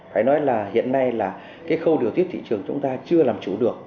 phải nói là hiện nay là cái khâu điều tiết thị trường chúng ta chưa làm chủ được